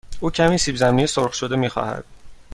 او کمی سیب زمینی سرخ شده می خواهد.